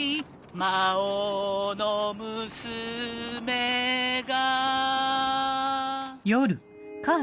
魔王の娘が